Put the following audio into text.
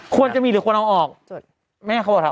ต้องมีหรือต้องมีเอาออก